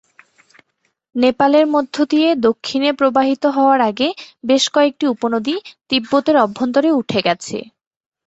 নেপালের মধ্য দিয়ে দক্ষিণে প্রবাহিত হওয়ার আগে বেশ কয়েকটি উপনদী তিব্বতের অভ্যন্তরে উঠে গেছে।